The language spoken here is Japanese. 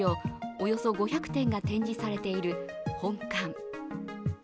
およそ５００点が展示されている本館